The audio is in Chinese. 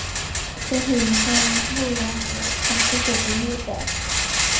这是一份穆罗姆统治者的列表。